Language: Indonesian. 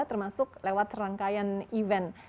termasuk lewat rangkaian event